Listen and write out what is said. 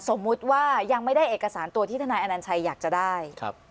สมมุติว่ายังไม่ได้เอกสารตัวที่ทนายอนัญชัยอยากจะได้